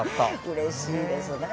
うれしいですね